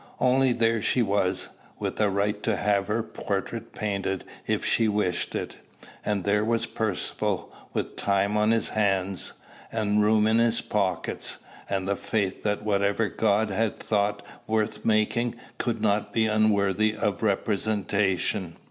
Only there she was, with a right to have her portrait painted if she wished it; and there was Percivale, with time on his hands, and room in his pockets, and the faith that whatever God had thought worth making could not be unworthy of representation.